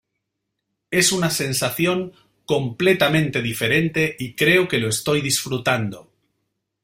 Es una sensación completamente diferente y creo que lo estoy disfrutando.